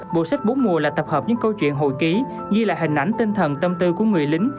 bộ sách bốn mùa là tập hợp những câu chuyện hội ký ghi lại hình ảnh tinh thần tâm tư của người lính